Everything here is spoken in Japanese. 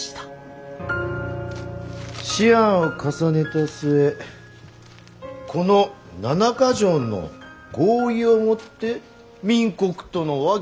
思案を重ねた末この七か条の合意をもって明国との和議といたす。